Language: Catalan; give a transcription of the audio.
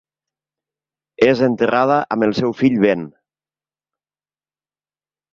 És enterrada amb el seu fill Ben.